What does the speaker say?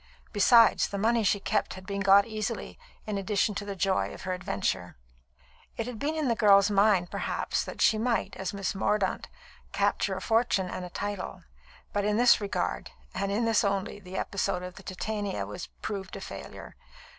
Besides, the money she kept had been got easily, in addition to the joy of her adventure. It had been in the girl's mind, perhaps, that she might, as Miss Mordaunt, capture a fortune and a title; but in this regard, and this only, the episode of the Titania had proved a failure.